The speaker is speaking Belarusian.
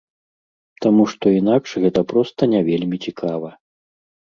Таму што інакш гэта проста не вельмі цікава.